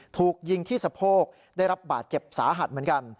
ถูกยิงที่สะโพกได้รับบาดเจ็บสาหัสเหมือนกัน